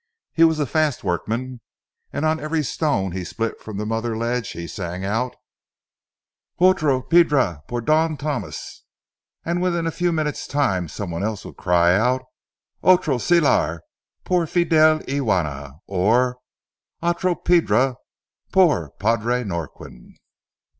He was a fast workman, and on every stone he split from the mother ledge, he sang out, "Otro piedra por Don Tomas!" And within a few minutes' time some one else would cry out, "Otro cillar por Fidel y Juana," or "Otro piedra por padre Norquin."